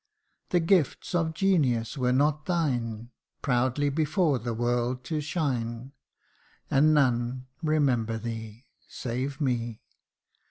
The gifts of genius were not thine Proudly before the world to shine And none remember thee Save me